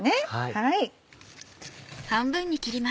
はい。